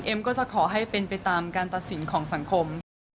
ก็จะขอให้เป็นไปตามการตัดสินของสังคม